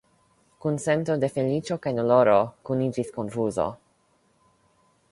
Kun sento de feliĉo kaj doloro kuniĝis konfuzo.